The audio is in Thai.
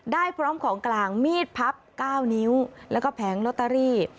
พร้อมของกลางมีดพับ๙นิ้วแล้วก็แผงลอตเตอรี่